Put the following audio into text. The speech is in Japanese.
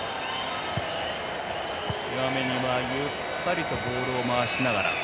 チュアメニはゆったりとボールを回しながら。